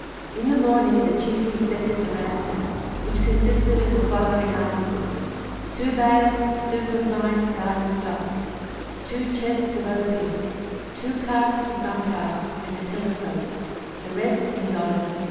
In the morning the chief inspected the ransom, which consisted of the following articles: two bales of superfine scarlet cloth; two chests of opium; two casks of gunpowder; and a telescope; the rest in dollars.